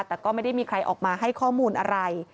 แต่ก็ไม่ได้มีใครออกมาให้ข้อมูลอะไร